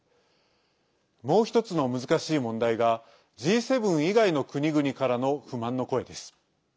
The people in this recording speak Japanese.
もう１つの難しい問題がＧ７以外の国々からの不満の声です。